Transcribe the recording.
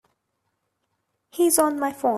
He's on my phone.